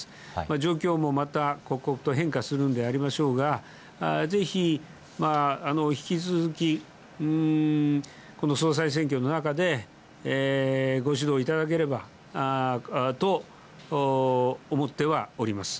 状況もまた刻々と変化するんでありましょうが、ぜひ引き続き、この総裁選挙の中で、ご指導いただければと思ってはおります。